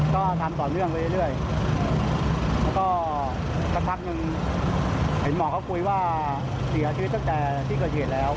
ก็ทำต่อเนื่องไปเรื่อยแล้วก็สักพักหนึ่งเห็นหมอเขาคุยว่าเสียชีวิตตั้งแต่ที่เกิดเหตุแล้ว